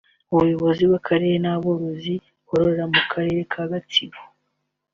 Ubuyobozi bw’Akarere n’aborozi bororera mu karere ka Gatsibo